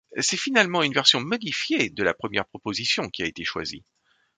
C'est finalement une version modifiée de la première proposition qui a été choisie.